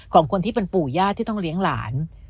ของคนที่เป็นปู่ญาติที่ต้องเลี้ยงหลาน